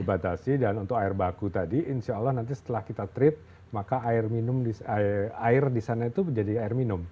dibatasi dan untuk air baku tadi insya allah nanti setelah kita treat maka air minum air di sana itu menjadi air minum